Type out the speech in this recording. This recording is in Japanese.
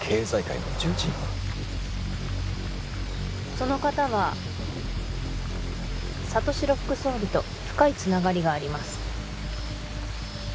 その方は里城副総理と深いつながりがあります